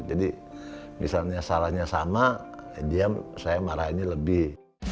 jadi misalnya salahnya sama dia saya marahinnya lebih